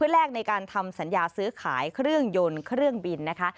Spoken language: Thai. แรกในการทำสัญญาซื้อขายเครื่องยนต์เครื่องบินนะคะ